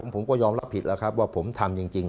ผมก็ยอมรับผิดแล้วครับว่าผมทำจริง